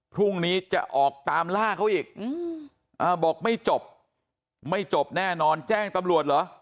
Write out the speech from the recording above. พรุ่งนี้จะออกตามล่าเขาอีกบอกไม่จบไม่จบแน่นอนแจ้งตำรวจเหรอ